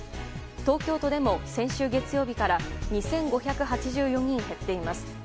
東京都でも先週月曜日から２５８４人減っています。